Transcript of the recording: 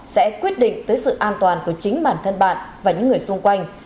sẽ quyết định tới sự an toàn của chính bản thân bạn và những người xung quanh